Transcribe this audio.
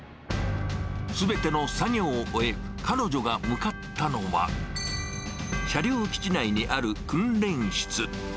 すべての作業を終え、彼女が向かったのは、車両基地内にある訓練室。